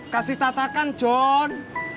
kasih tata kan john